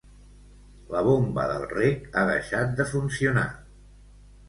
la bomba del reg ha deixat de funcionar